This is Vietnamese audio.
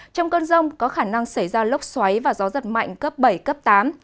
trong cơn rông có khả năng xảy ra lốc xoáy và gió giật mạnh cấp bảy cấp tám